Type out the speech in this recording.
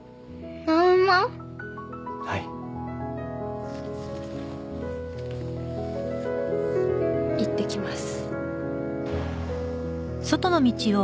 はいいってきます